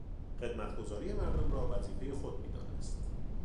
خدمتگزاری مردم را وظیفهی خود میدانست.